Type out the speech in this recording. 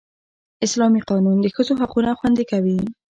اسلامي قانون د ښځو حقونه خوندي کوي